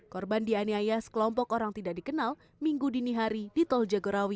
korban dianiaya sekelompok orang tidak dikenal minggu dini hari di tol jagorawi